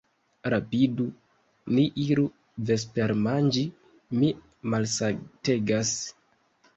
Rapidu, ni iru vespermanĝi, mi malsategas.